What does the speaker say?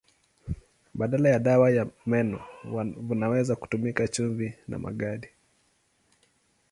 Badala ya dawa ya meno vinaweza kutumika chumvi na magadi.